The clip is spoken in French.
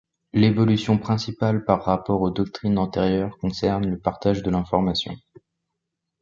L'évolution principale par rapport aux doctrines antérieures concerne le partage de l'information.